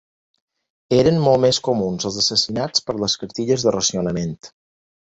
Eren molt més comuns els assassinats per les cartilles de racionament.